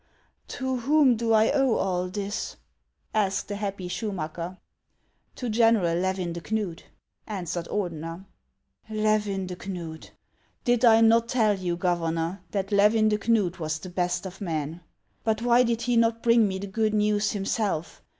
" To whom do I owe all this ?" asked the happy Schumacker. " To General Levin de Knud," answered Ordener. " Levin de Knud ! Did I not tell you, Governor, that Levin de Knud was the best of men ? But why did lie not bring me the good news himself?